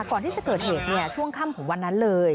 ก่อนที่จะเกิดเหตุช่วงค่ำของวันนั้นเลย